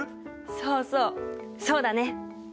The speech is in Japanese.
そうそうそうだね。